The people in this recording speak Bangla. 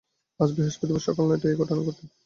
আজ বৃহস্পতিবার সকাল নয়টায় এ ঘটনা ঘটে।